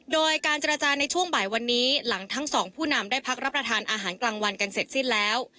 โดยการเจรจาในช่วงบ่ายวันนี้หลังทั้งสองผู้นำได้พักรับประทานอาหารกลางวันกันเสร็จสิ้นแล้ว